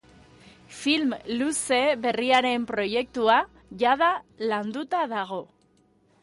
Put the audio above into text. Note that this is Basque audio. Film luze berriaren proiektua jada landuta dago.